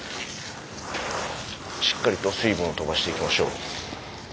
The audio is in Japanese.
しっかりと水分をとばしていきましょう。